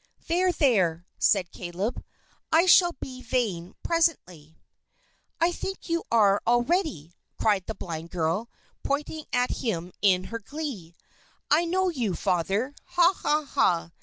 "There! There!" said Caleb, "I shall be vain presently." "I think you are already!" cried the blind girl, pointing at him in her glee. "I know you, Father! Ha, ha, ha!